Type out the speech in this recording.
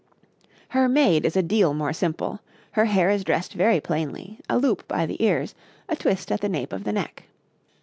Her maid is a deal more simple; her hair is dressed very plainly, a loop by the ears, a twist at the nape of the neck.